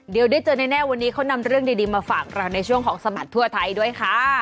เดี๋ยวได้เจอแน่วันนี้เขานำเรื่องดีมาฝากเราในช่วงของสบัดทั่วไทยด้วยค่ะ